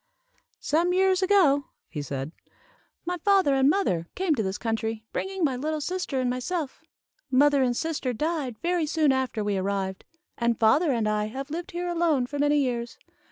"Some years ago," he said, "my father and mother came to this country, bringing my little sister and myself. "Mother and sister died very soon after we arrived, and father and I have lived here alone for many years.